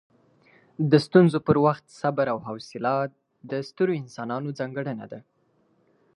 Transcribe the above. د ستونزو پر وخت صبر او حوصله د سترو انسانانو ځانګړنه ده.